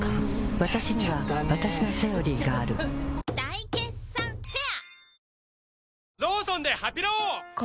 わたしにはわたしの「セオリー」がある大決算フェア